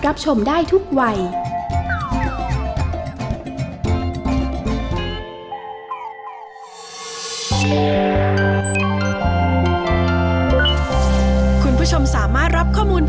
ร้องได้ให้ร้าง